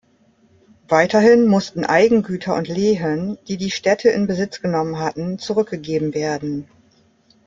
Weiterhin mussten Eigengüter und Lehen, die die Städte in Besitz genommen hatten, zurückgegeben werden.